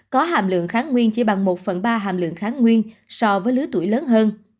có hàm lượng kháng nguyên chỉ bằng một phần ba hàm lượng kháng nguyên so với lứa tuổi lớn hơn